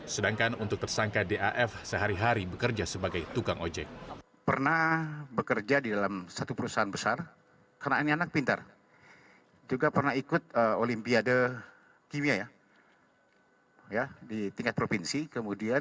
sedangkan untuk tersangka daf sehari hari bekerja sebagai tukang ojek